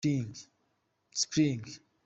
spring.